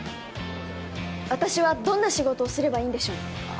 私はどんな仕事をすればいいんでしょうああ